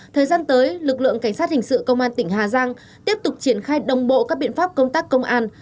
thời gian tới lực lượng cảnh sát hình sự công an tỉnh hà giang tiếp tục triển khai đồng bộ các biện pháp công tác công an